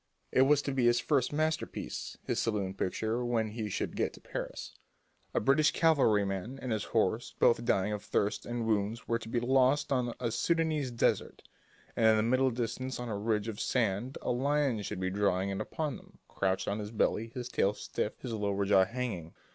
It was to be his first masterpiece, his salon picture when he should get to Paris. A British cavalryman and his horse, both dying of thirst and wounds, were to be lost on a Soudanese desert, and in the middle distance on a ridge of sand a lion should be drawing in upon them, crouched on his belly, his tail stiff, his lower jaw hanging.